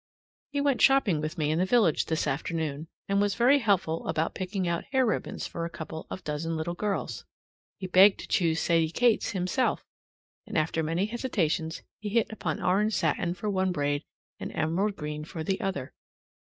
He went shopping with me in the village this afternoon, and was very helpful about picking out hair ribbons for a couple of dozen little girls. He begged to choose Sadie Kate's himself, and after many hesitations he hit upon orange satin for one braid and emerald green for the other.